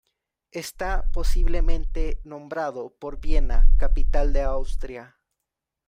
Está posiblemente nombrado por Viena, capital de Austria.